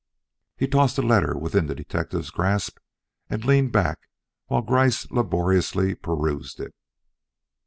He tossed a letter within the detective's grasp and leaned back while Gryce laboriously perused it.